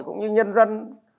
cũng như nhân dân